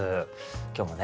今日もね